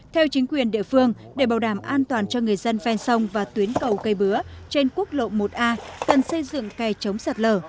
theo chính quyền địa phương để bảo đảm an toàn cho người dân ven sông và tuyến cầu cây bứa trên quốc lộ một a cần xây dựng kè chống sạt lở